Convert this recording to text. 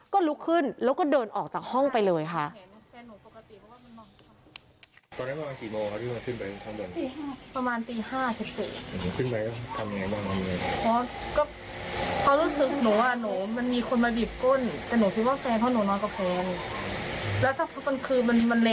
ก็ลุกขึ้นแล้วก็เดินออกจากห้องไปเลยค่ะ